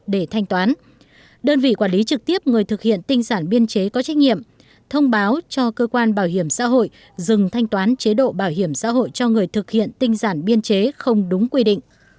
đơn vị quản lý trực tiếp người thực hiện tinh giản biên chế có trách nhiệm thông báo cho cơ quan bảo hiểm xã hội dừng thanh toán chế độ bảo hiểm xã hội cho người thực hiện tinh giản biên chế không đúng quy định